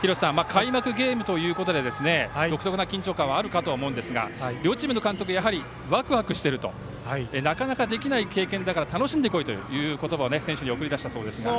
開幕ゲームということで独特な緊張感がありますが両チームの監督はワクワクしているとなかなかできない経験だから楽しんでこいという言葉で選手を送り出したそうですが。